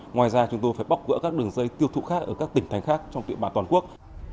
ngoài ra chúng tôi phải bóc gỡ các đường dây tiêu thụ khác ở các tỉnh thành khác trong địa bàn toàn quốc